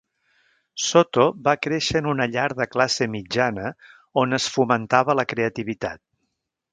Soto va créixer en una llar de classe mitjana on es fomentava la creativitat.